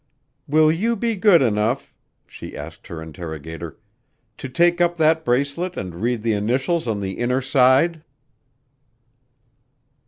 "Will you be good enough," she asked her interrogator, "to take up that bracelet and read the initials on the inner side?"